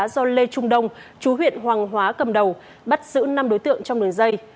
do lê trung đông chú huyện hoàng hóa cầm đầu bắt giữ năm đối tượng trong đường dây